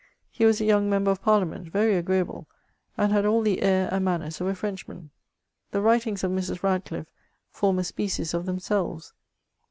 He was a young member of Parliament, very agreeable, and had all the air and manners of a Frenchman. The writings of Mrs. Rad cliffe form a species of themselves.